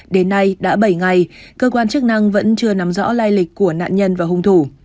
đến nay đã bảy ngày cơ quan chức năng vẫn chưa nắm rõ lai lịch của nạn nhân và hung thủ